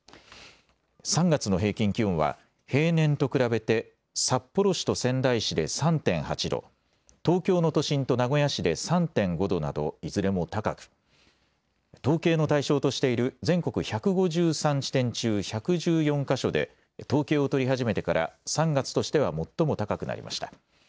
３月の平均気温は平年と比べて札幌市と仙台市で３．８度、東京の都心と名古屋市で３．５度などいずれも高く統計の対象としている全国１５３地点中１１４か所で統計を取り始めてから３月としては最も高くなりました。